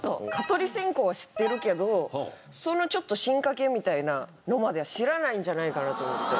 蚊取り線香は知ってるけどそのちょっと進化形みたいなのまでは知らないんじゃないかなと思って。